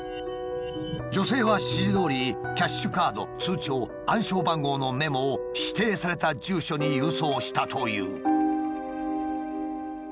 女性は指示どおりキャッシュカード通帳暗証番号のメモを指定された住所に郵送したという。